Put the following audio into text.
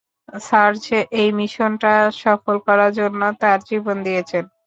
Surge এই মিশনটা সফল করার জন্য তার জীবন দিয়েছেন!